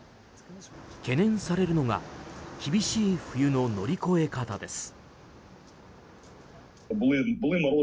懸念されるのが厳しい冬の乗り越え方です。